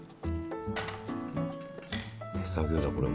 手作業だこれも。